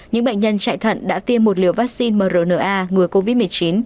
những bệnh nhân chạy thận đã tiêm một liều vaccine mrna ngừa covid một mươi chín